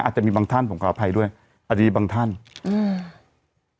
อาจจะมีบางท่านผมขออภัยด้วยอาจจะมีบางท่านอืม